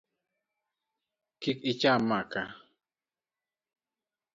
Kik icham maka.